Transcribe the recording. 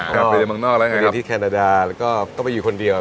เพราะว่าไปที่แคนาดาและก็ไปอยู่คนเดียว